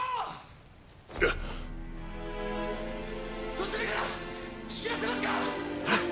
そちらから引き出せますか！！